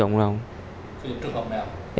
sử dụng trường hợp nào